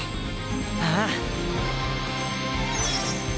ああ！